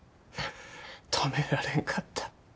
止められんかった。